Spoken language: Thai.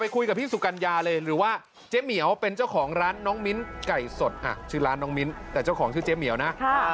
ของชื่อเจ๊เหมียวนะ